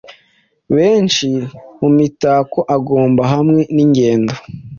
Benshi mumitako agomba hamwe ningendo